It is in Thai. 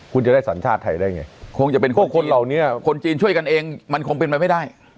คุณจะได้สัญชาติไทยได้ไงคงจะเป็นพวกคนเหล่านี้คนจีนช่วยกันเองมันคงเป็นไปไม่ได้